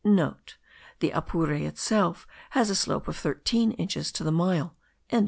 *(* The Apure itself has a slope of thirteen inches to the mile.)